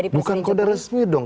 bukan kode resmi dong